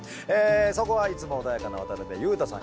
そこはいつも穏やかな渡辺裕太さん